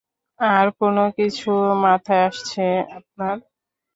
আর কোনো কিছু মাথায় আসছে আপনার?